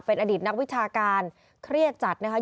เป็นอดีตนักวิชาการเครียดจัดนะคะ